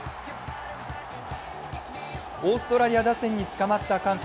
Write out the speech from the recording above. オーストラリア打線につかまった韓国。